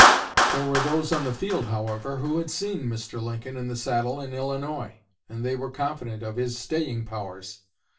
There were those on the field, however, who had seen Mr. Lincoln in the saddle in Illinois; and they were confident of his staying powers.